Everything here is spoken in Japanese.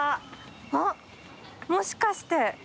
あっもしかして。